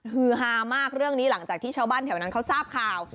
ฮือฮามากเรื่องนี้หลังจากที่ชาวบ้านแถวนั้นเขาทราบข่าว